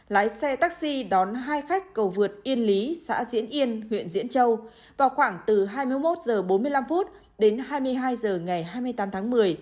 lái xe taxi đón hai khách cầu vượt yên lý xã diễn yên huyện diễn châu vào khoảng từ hai mươi một h bốn mươi năm đến hai mươi hai h ngày hai mươi tám tháng một mươi